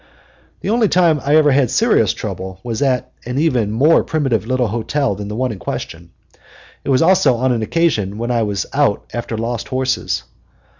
The only time I ever had serious trouble was at an even more primitive little hotel than the one in question. It was also on an occasion when I was out after lost horses.